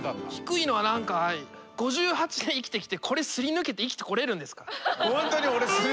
５８年生きてきてこれすり抜けて生きてこれるんですか？